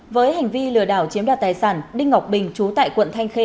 với hành vi lừa đảo chiếm đoạt tài sản đinh ngọc bình chú tại quận thanh khê